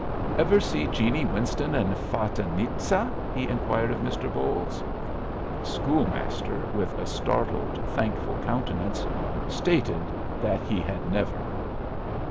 "Ever see Jeannie Winston in 'Fatinitza'?" he inquired of Mr. Bolles. The school master, with a startled, thankful countenance, stated that he had never.